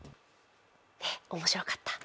面白かった。